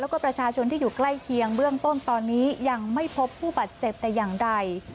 แล้วก็ประชาชนที่อยู่ใกล้เคียงเบื้องต้นตอนนี้ยังไม่พบผู้บาดเจ็บแต่อย่างใด